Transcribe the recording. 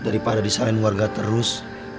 daripada disalin warga terus